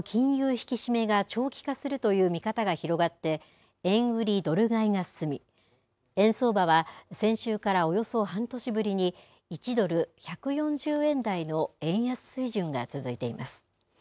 引き締めが長期化するという見方が広がって、円売りドル買いが進み、円相場は先週からおよそ半年ぶりに、１ドル１４０円台の円安水準が続いています。